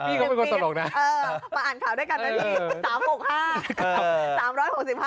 พี่ก็ไม่ควรตลกนะเออมาอ่านข่าวด้วยกันนะพี่